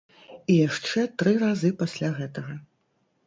І яшчэ тры разы пасля гэтага.